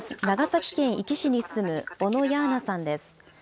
長崎県壱岐市に住む小野ヤーナさんです。